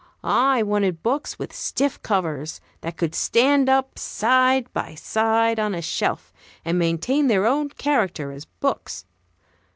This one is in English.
I wanted books with stiff covers, that could stand up side by side on a shelf, and maintain their own character as books.